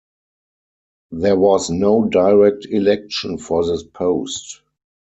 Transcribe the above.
There was no direct election for this post.